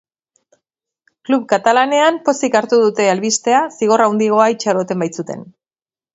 Klub katalanean pozik hartu dute albistea zigor handiagoa itxaroten baitzuten.